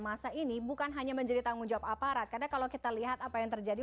masa ini bukan hanya menjadi tanggung jawab aparat karena kalau kita lihat apa yang terjadi